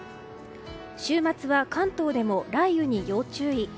週末は関東でも雷雨に要注意。